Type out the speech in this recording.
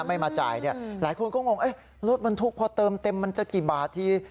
ไม่มาจ่ายเนี่ยหลายคนก็งงรถบรรทุกพอเติมเต็มมันจะกี่บาทที